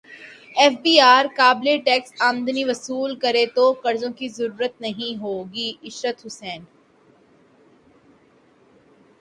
F B R قابل tax امدنی وصول کرے تو قرضوں کی ضرورت نہیں ہوگی عشرت حسین